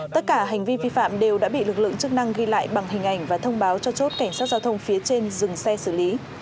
tất cả hành vi vi phạm đều đã bị lực lượng chức năng ghi lại bằng hình ảnh và thông báo cho chốt cảnh sát giao thông phía trên dừng xe xử lý